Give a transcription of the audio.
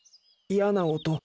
嫌な音。